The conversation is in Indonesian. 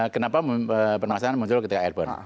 kenapa permasalahan muncul ketika airborne